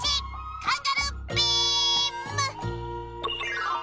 カンガルービーム！